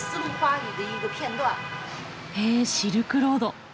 へえ「シルクロード」。